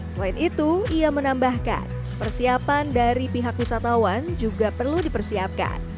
selain itu ia menambahkan persiapan dari pihak wisatawan juga perlu dipersiapkan